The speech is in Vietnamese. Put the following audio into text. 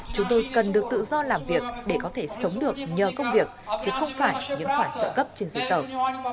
chúng tôi cần được tự do làm việc để có thể sống được nhờ công việc chứ không phải những khoản trợ cấp trên giấy tờ